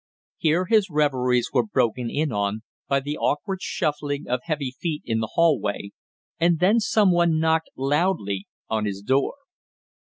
Here his reveries were broken in on by the awkward shuffling of heavy feet in the hallway, and then some one knocked loudly on his door.